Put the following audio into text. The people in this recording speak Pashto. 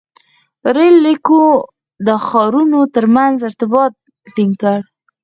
• رېل لیکو د ښارونو تر منځ ارتباط ټینګ کړ.